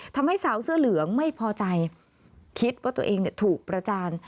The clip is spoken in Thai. ทำให้สาวเสื้อเหลืองไม่พอใจคิดว่าตัวเองถูกประจาน